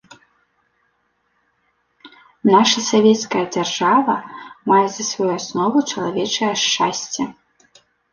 Наша савецкая дзяржава мае за сваю аснову чалавечае шчасце.